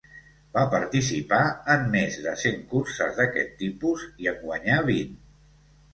Va participar en més de cent curses d'aquests tipus i en guanyar vint.